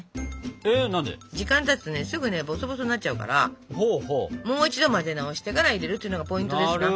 時間たつとねすぐボソボソになっちゃうからもう一度混ぜ直してから入れるっていうのがポイントですな。